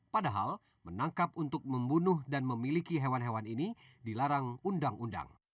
padahal menangkap untuk membunuh dan memiliki hewan hewan ini dilarang undang undang